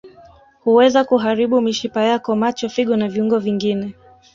Huweza kuharibu mishipa yako macho figo na viungo vingine